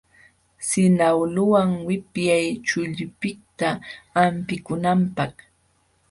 Sinawluwan wipyay chullipiqta hampikunanpaq.